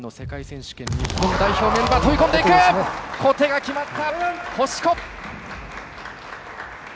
小手が決まった！